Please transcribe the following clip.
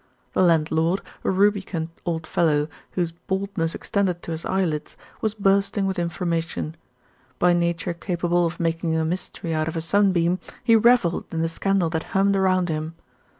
The landlord, a rubicund old fellow whose baldness extended to his eyelids, was bursting with information. By nature capable of making a mystery out of a sunbeam, he revelled in the scandal that hummed around him.